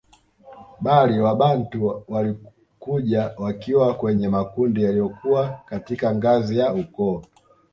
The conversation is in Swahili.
Bali Wabantu walikuja wakiwa kwenye makundi yaliyokuwa katika ngazi ya Ukoo